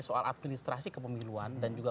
soal administrasi kepemiluan dan juga